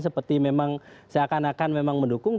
seperti memang seakan akan memang mendukung